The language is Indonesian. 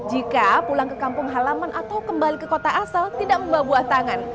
jika pulang ke kampung halaman atau kembali ke kota asal tidak membawa buah tangan